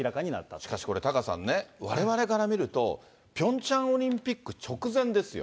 しかしこれ、タカさんね、われわれから見ると、ピョンチャンオリンピック直前ですよ。